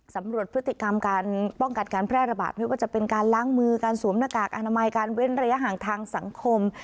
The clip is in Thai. สำหรับพฤติกรรมการป้องกันการแพร่ระบาดไม่ว่าจะเป็นการล้างมือการสวมหน้ากากอนามัยการเว้นระยะห่างทางสังคม